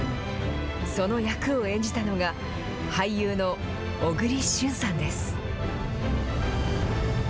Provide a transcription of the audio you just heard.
その役を演じたのが、俳優の小栗旬さんです。